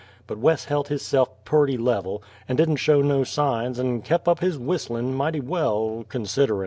But Wes helt hisse'f purty level, and didn't show no signs, and kep' up his whistlin', mighty well considerin'.